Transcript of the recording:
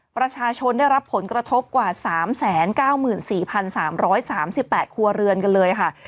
ประชาชนได้รับผลกระทบกว่า๓๙๔๓๓๘ครัวเรือนกันเลยค่ะ